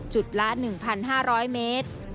จุดละ๑๕๐๐เมตร